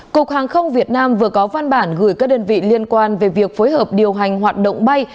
cục hàng không việt nam vừa có văn bản gửi các đơn vị liên quan về việc phối hợp điều hành hoạt động bay